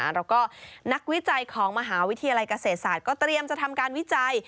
แล้วก็นักวิจัยของมหาวิทยาลัยเกษตรศาสตร์ก็เตรียมจะทำการวิจัย